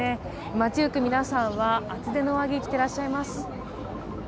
街行く皆さんは厚手の上着を着ていらっしゃいます。